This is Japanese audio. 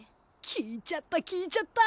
聞いちゃった聞いちゃった。